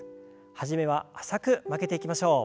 初めは浅く曲げていきましょう。